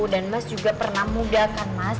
dan mas juga pernah muda kan mas